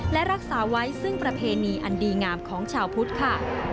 และรักษาไว้ซึ่งประเพณีอันดีงามของชาวพุทธค่ะ